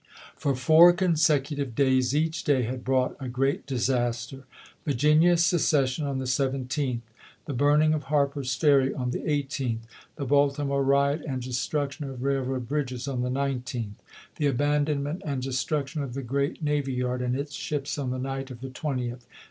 For four consecutive days each day had brought a great disaster — Vii'ginia's secession on the 17th ; the burning of Harper's Ferry on the 18th ; the Baltimore riot and destruction of railroad bridges on the 19th ; the abandonment and destruction of the great navy yard and its ships on the night of the 20th.